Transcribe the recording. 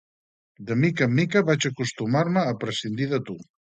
De mica en mica, vaig acostumar-me a prescindir de tu.